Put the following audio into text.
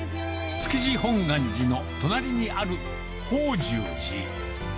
築地本願寺の隣にある法重寺。